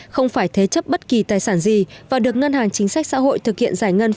không phải thế chấp bất kỳ tài sản gì và được ngân hàng chính sách xã hội thực hiện giải ngân